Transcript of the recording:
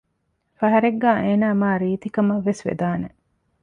ފަހަރެއްގައި އޭނަ މާ ރީތީ ކަމަށްވެސް ވެދާނެ